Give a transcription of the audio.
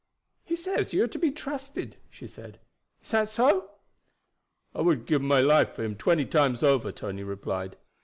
"He says you are to be trusted," she said. "Is that so?" "I would gib my life for him twenty times over," Tony replied.